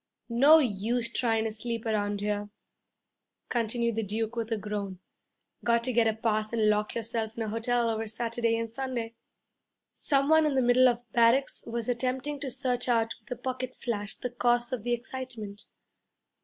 'No use tryin' to sleep around here,' continued the Duke with a groan. 'Got to get a pass and lock yourself in a hotel over Saturday and Sunday.' Some one in the middle of barracks was attempting to search out with a pocket flash the cause of the excitement.